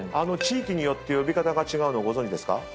地域によって呼び方が違うのをご存じですか？